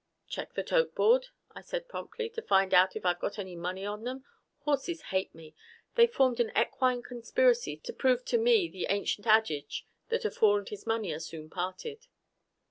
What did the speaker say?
"Check the tote board," I said promptly, "to find out if I've got any money on them. Horses hate me. They've formed an equine conspiracy to prove to me the ancient adage that a fool and his money are soon parted."